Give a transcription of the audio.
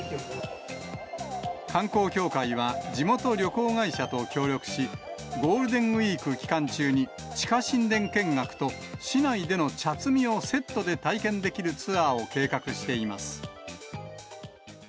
観光協会は、地元旅行会社と協力し、ゴールデンウィーク期間中に、地下神殿見学と市内での茶摘みをセットで体験できるツアーを計画しています。